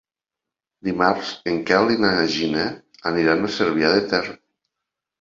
Dimarts en Quel i na Gina aniran a Cervià de Ter.